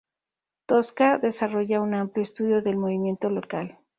Tosca desarrolla un amplio estudio del movimiento local.